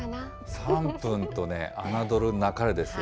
３分とね、侮るなかれですよ。